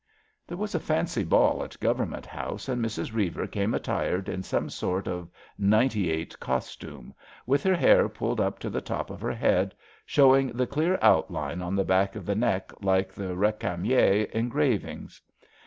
'^ There was a Fancy Ball at Government House and Mrs. Reiver came attired in some sort of '98 costume, with her hair pulled up to the top of her head, showing the clear outline on the back of the neck like the Recamier engravings.